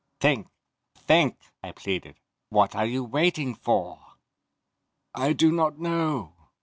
"Think! Think!" I pleaded. "What are you waiting for?" "I do not know!"